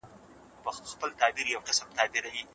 خپل کار ته په پوره رښتینولۍ او مینه دوام ورکړئ.